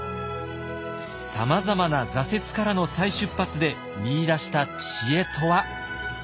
さまざまな挫折からの再出発で見いだした知恵とは？